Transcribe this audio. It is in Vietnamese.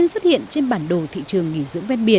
sức trở năm sáu tỷ đồng